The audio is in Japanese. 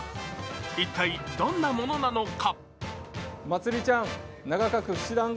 一体、どんなものなのか。